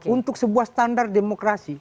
untuk sebuah standar demokrasi